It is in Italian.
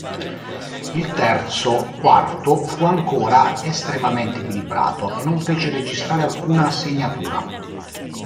Il terzo quarto fu ancora estremamente equilibrato e non fece registrare alcuna segnatura.